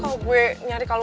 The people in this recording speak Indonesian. masuk kuliah dulu